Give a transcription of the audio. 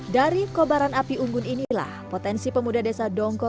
dari kobaran api unggun inilah potensi pemuda desa dongko